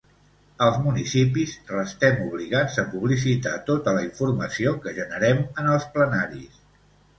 Els municipis restem obligats a publicitar tota la informació que generem en els plenaris.